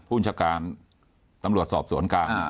ผู้บัญชาการตำรวจสอบสวนกลาง